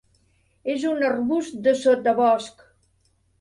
És un arbust de sotabosc.